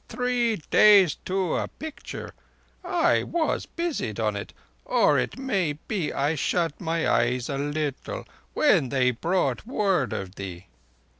Three days to a picture. I was busied on it—or it may be I shut my eyes a little—when they brought word of thee.